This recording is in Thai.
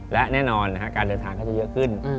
และแน่นอนการเดินทางก็จะเยอะขึ้น